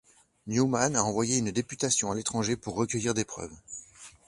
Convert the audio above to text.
Newman a envoyé une députation à l'étranger pour recueillir des preuves.